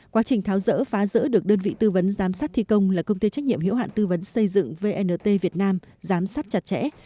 quá trình tháo rỡ phá rỡ được đơn vị tư vấn giám sát thi công là công ty trách nhiệm hiểu hạn tư vấn xây dựng vnt việt nam giám sát chặt chẽ